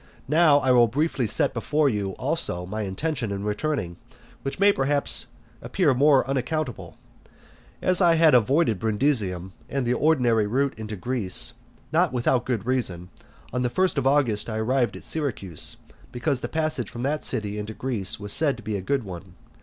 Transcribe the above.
Now I will briefly set before you, also, my intention in returning, which may perhaps appear more unaccountable. As I had avoided Brundusium, and the ordinary route into Greece, not without good reason, on the first of August I arrived at Syracuse, because the passage from that city into Greece was said to be a good one.